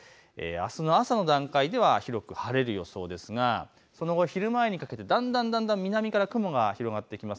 あす朝の段階では広く晴れる予想ですがその後、昼前にかけてだんだん南から雲が広がってきます。